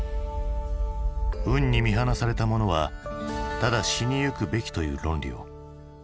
運に見放された者はただ死にゆくべきという論理を。